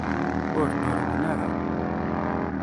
Ur d-urwen ara.